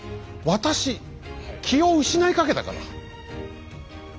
私気を失いかけたから。